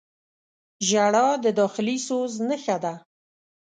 • ژړا د داخلي سوز نښه ده.